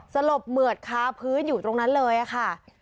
สลบเหมือดคาพื้นอยู่ตรงนั้นเลยค่ะ